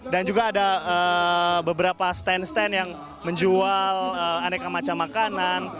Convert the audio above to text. dan juga ada beberapa stand stand yang menjual aneka macam makanan